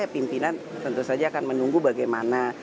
pimpinan tentu saja akan menunggu bagaimana